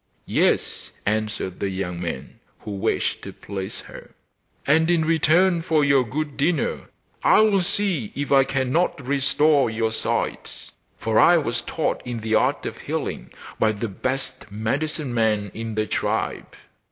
'Yes,' answered the young man, who wished to please her, 'and in return for your good dinner I will see if I cannot restore your sight; for I was taught in the art of healing by the best medicine man in the tribe.